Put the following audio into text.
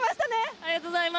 ありがとうございます。